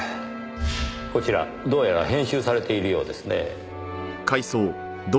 こちらどうやら編集されているようですねぇ。